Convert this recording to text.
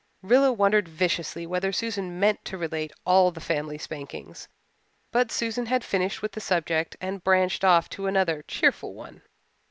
Rilla wondered viciously whether Susan meant to relate all the family spankings. But Susan had finished with the subject and branched off to another cheerful one.